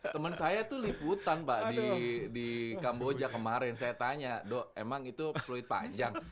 temen saya tuh liputan pak di kamboja kemarin saya tanya dok emang itu peluit panjang